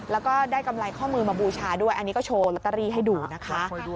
แล้วก็ได้กำไรข้อมือมาบูชาด้วยอันนี้ก็โชว์ลอตเตอรี่ให้ดูนะคะ